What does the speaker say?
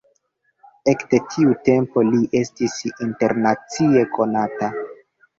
Ekde tiu tempo, li estis internacie konata.